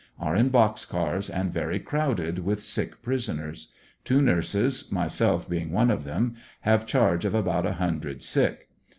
Are in box cars and very crowded with sick prisoners. Two nurses, myself being one of them, have charge of about a hundred sick.